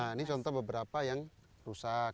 nah ini contoh beberapa yang rusak